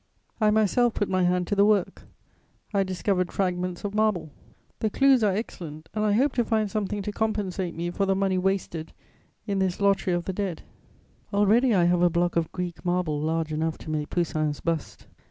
"I myself put my hand to the work; I discovered fragments of marble: the clues are excellent and I hope to find something to compensate me for the money wasted in this lottery of the dead; already I have a block of Greek marble large enough to make Poussin's bust.